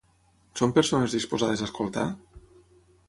Són persones disposades a escoltar?